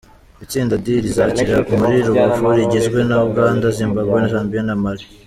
Itsinda D rizakinira muri Rubavu, rigizwe na Uganda Zimbabwe, Zambia na Mali.